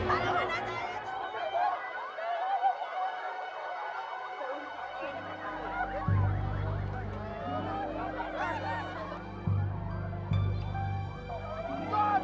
jangan lupa dia jangan eachp longer